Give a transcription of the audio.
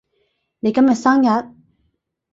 你今日生日？